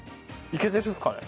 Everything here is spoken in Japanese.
いけてるっすかね？